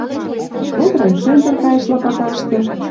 Вот райцентр каеш лапаташты